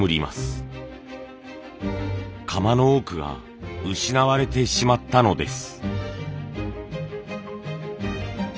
窯の多くが失われてしまったのです。